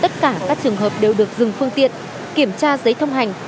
tất cả các trường hợp đều được dừng phương tiện kiểm tra giấy thông hành